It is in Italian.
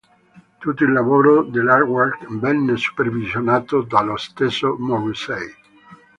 Tutto il lavoro dell'artwork venne supervisionato dallo stesso Morrissey.